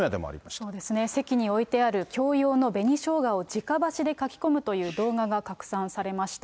そうですね、席に置いてある共用の紅ショウガをじか箸でかきこむという動画が拡散されました。